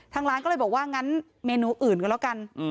ทางร้านก็เลยบอกว่างั้นเมนูอื่นก็แล้วกัน